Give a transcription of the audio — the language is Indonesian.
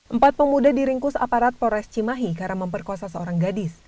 empat pemuda diringkus aparat polres cimahi karena memperkosa seorang gadis